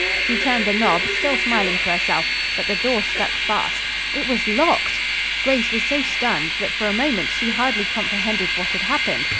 She turned the knob, still smiling to herself, but the door stuck fast. It was locked! Grace was so stunned that for a moment she hardly comprehended what had happened.